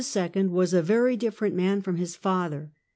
Edward II. was a very different man from his father.